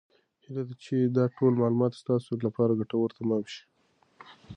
هیله ده چې دا ټول معلومات ستاسو لپاره ګټور تمام شي.